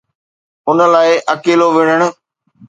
ان لاءِ اڪيلو وڙهڻ